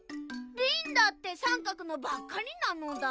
リンだってさんかくのばっかりなのだ。